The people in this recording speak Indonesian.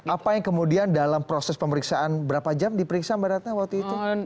apa yang kemudian dalam proses pemeriksaan berapa jam diperiksa mbak ratna waktu itu